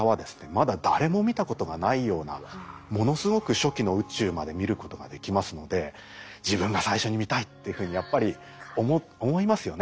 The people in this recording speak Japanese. まだ誰も見たことがないようなものすごく初期の宇宙まで見ることができますので自分が最初に見たいっていうふうにやっぱり思いますよね。